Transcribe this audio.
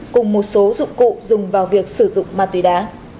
cùng một số dụng cụ dùng vào việc sử dụng ma túy đá